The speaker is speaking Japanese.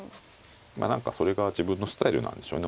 何かそれが自分のスタイルなんでしょうね恐らくね。